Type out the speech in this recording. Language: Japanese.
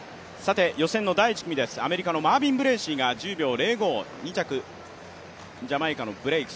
予選の第１組、アメリカのマービン・ブレーシーが１０秒０５２着がジャマイカのブレイク。